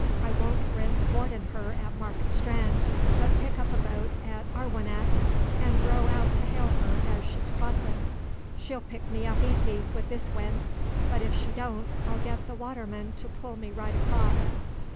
I won't risk boardin' her at Market Strand, but pick up a boat at Arwennack, an' row out to hail her as she's crossin'. She'll pick me up easy, wi' this wind; but if she don't, I'll get the waterman to pull me right across.